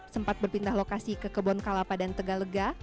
sempat berpindah lokasi ke kebon kalapa dan tegalega